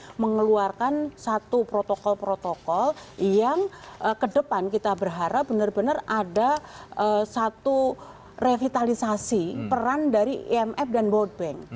kita mengeluarkan satu protokol protokol yang kedepan kita berharap benar benar ada satu revitalisasi peran dari imf dan world bank